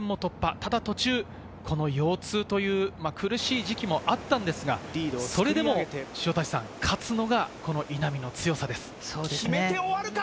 ただ途中、腰痛という苦しい時期もあったのですが、それでも勝つのがこの稲見の強さです。